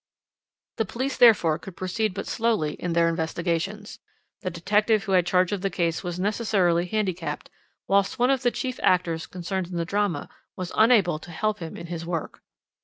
"The police therefore could proceed but slowly in their investigations. The detective who had charge of the case was necessarily handicapped, whilst one of the chief actors concerned in the drama was unable to help him in his work.